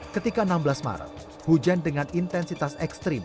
ketika enam belas maret hujan dengan intensitas ekstrim